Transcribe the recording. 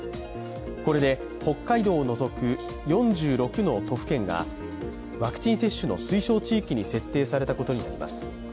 これで北海道を除く４６の都府県がワクチン接種の推奨地域に設定されたことになります。